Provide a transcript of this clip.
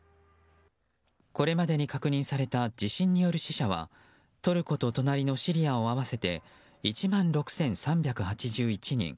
これまでに確認された地震による死者はトルコと隣のシリアを合わせて１万６３８１人。